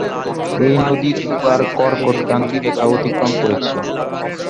এই নদী দুবার কর্কটক্রান্তি রেখা অতিক্রম করেছে।